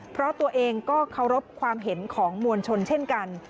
เพราะตัวเองก็เคารพความเห็นของมวลชนเช่นกัน